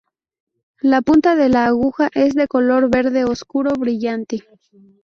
La punta de la aguja es de color verde oscuro brillante.